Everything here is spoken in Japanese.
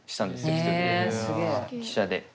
一人で汽車で。